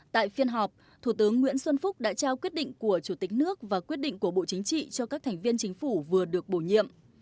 tại phiên họp thủ tướng nguyễn xuân phúc đã trao quyết định của chủ tịch nước và quyết định của bộ chính trị cho các thành viên chính phủ vừa được bổ nhiệm